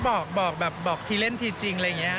บอกแบบบอกทีเล่นทีจริงอะไรอย่างนี้